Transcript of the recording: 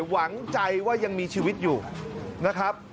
หวังใจว่ายังมีชีวิตอยู่นะครับ